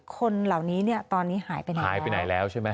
คนเหล่านี้เนี่ยตอนนี้หายไปไหนแล้วใช่ไหม